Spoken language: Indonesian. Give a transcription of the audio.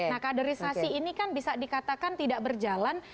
nah kaderisasi ini kan bisa dikatakan tidak berjalan